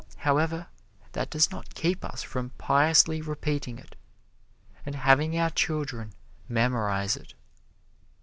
However, that does not keep us from piously repeating it, and having our children memorize it.